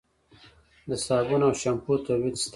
د صابون او شامپو تولید شته؟